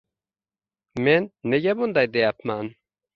Men nega bunday deyapman?